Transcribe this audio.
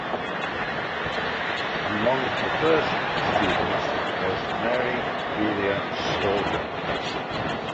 Among the first students was Mary Julia Baldwin.